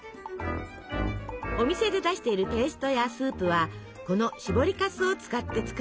お店で出しているペーストやスープはこのしぼりかすを使って作るもの。